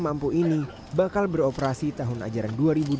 sma ampu ini bakal beroperasi tahun ajaran dua ribu delapan belas